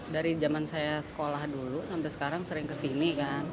dari zaman saya sekolah dulu sampai sekarang sering kesini kan